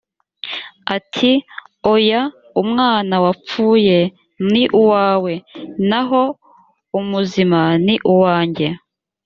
ati oya umwana wapfuye ni uwawe naho umuzima ni uwanjye